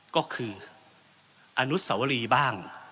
ก็คืออนุสวรีบ้าง